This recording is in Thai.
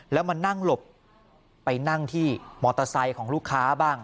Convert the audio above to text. แล้วมานั่งหลบไปนั่งที่มอเตอร์ไซค์ของลูกค้าบ้าง